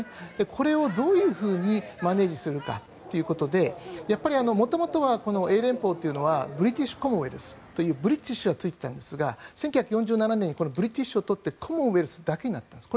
それをどういうふうにマネジするかということでやっぱり元々は英連邦というのはブリティッシュコモンウェルスブリティッシュがついていたんですが１９４６年にブリティッシュを取ってコモンウェルスだけになったんです。